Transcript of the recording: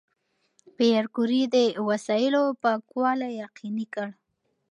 پېیر کوري د وسایلو پاکوالي یقیني کړ.